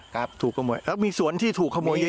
ครับถูกขโมยมีสวนที่ถูกขโมยเยอะ